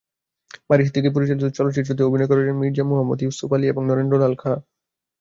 বারী সিদ্দিকী পরিচালিত চলচ্চিত্রটিতে অভিনয় করেন মীর্জা মুহাম্মদ ইউসুফ আলি এবং নরেন্দ্রলাল খাঁ।